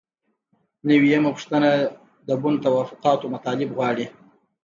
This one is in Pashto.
نوي یمه پوښتنه د بن توافقاتو مطالب غواړي.